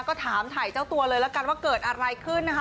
ก็ถามถ่ายเจ้าตัวเลยแล้วกันว่าเกิดอะไรขึ้นนะคะ